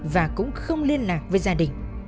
và cũng không liên lạc với gia đình